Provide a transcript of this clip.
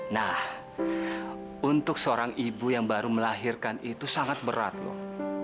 nah untuk seorang ibu yang baru melahirkan itu sangat berat loh